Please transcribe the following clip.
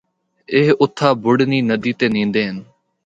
اے اُتھا بڈھنی ندی تے نیںدے ہن۔